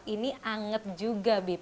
ini anget juga bib